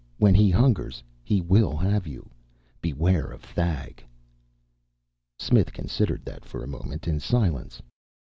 When he hungers, he will have you. Beware of Thag!" Smith considered that for a moment in silence.